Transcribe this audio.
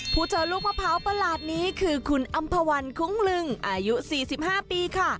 ผู้เจอลูกมะพร้าวประหลาดนี้คือคุณอำภาวันคุ้งลึงอายุ๔๕ปีค่ะ